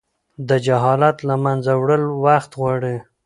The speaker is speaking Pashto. د جهالت له منځه وړل وخت غواړي.